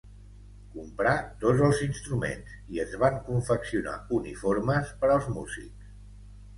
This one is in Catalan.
Comprar tots els instruments i es van confeccionar uniformes per als músics.